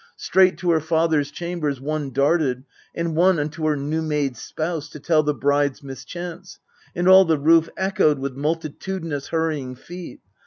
Straight to her father's chambers one Darted, and one unto her new made spouse, To tell the bride's mischance : and all the roof Echoed with multitudinous hurrying feet.